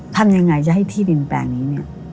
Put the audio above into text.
ทำยังไงจะให้ที่ดินแปลงนี้เนี่ย